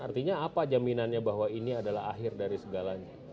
artinya apa jaminannya bahwa ini adalah akhir dari segalanya